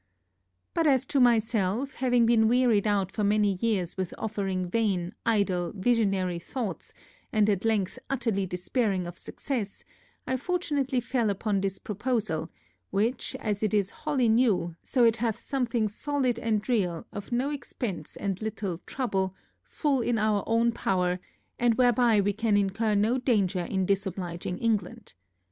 But, as to myself, having been wearied out for many years with offering vain, idle, visionary thoughts, and at length utterly despairing of success, I fortunately fell upon this proposal, which, as it is wholly new, so it hath something solid and real, of no expence and little trouble, full in our own power, and whereby we can incur no danger in disobliging England.